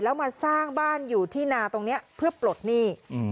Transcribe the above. แล้วมาสร้างบ้านอยู่ที่นาตรงนี้เพื่อปลดหนี้